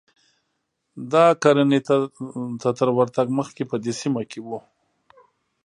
دا کرنې ته تر ورتګ مخکې په دې سیمه کې و